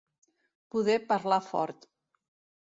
Poder parlar fort.